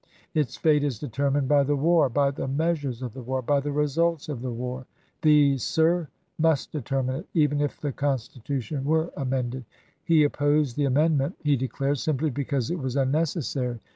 Its fate is determined by the war ; by the measures of the war; by the results of the war. «Giobe," These, sir, must determine it, even if the Constitu 1865, p. 2i9. tion were amended." He opposed the amendment, he declared, simply because it was unnecessary.